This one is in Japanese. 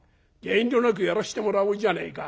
遠慮なくやらしてもらおうじゃねえか」。